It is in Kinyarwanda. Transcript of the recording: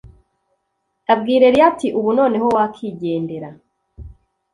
abwira Eliya ati ubu noneho wakigendera